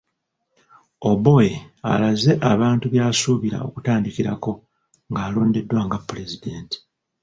Oboi alaze abantu by'asuubira okutandikirako ng'alondeddwa nga pulezidenti.